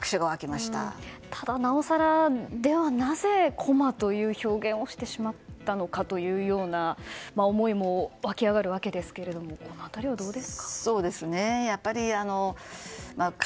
ただなおさら、ではなぜ駒という表現をしてしまったのかという思いも湧き上がるわけですけどこの辺りはどうですか？